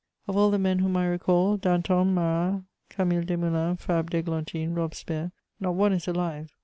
Of all the men whom I recall, Danton, Marat. Camille Desmoulins, Fabre d'Églantine, Robespierre, not one is alive.